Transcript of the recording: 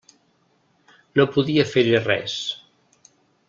No podia fer-hi res.